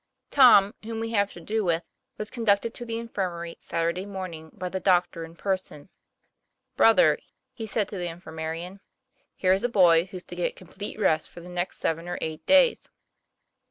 Tom, whom we have to do with, was conducted to the infirmary Saturday morning by the doctor in person. "Brother," he said to the infirmarian, "here's a boy who's to get complete rest for the next seven or eight days."